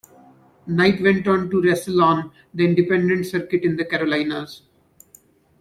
Knight went on to wrestle on the independent circuit in the Carolinas.